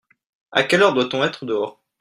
À quelle heure doit-on être dehors ?